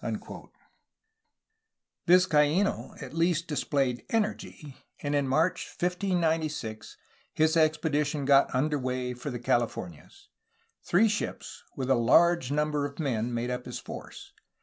Vizcaino at least displayed energy, and in March 1596 his expedition got under way for the Californias. Three ships, with a large number of men, made up his force.